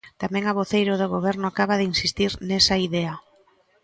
Tamén a voceira do Goberno acaba de insistir nesa idea.